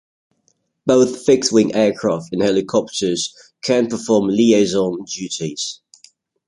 Both fixed-wing aircraft and helicopters can perform liaison duties.